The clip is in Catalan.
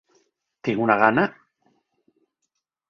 Tinc una gana…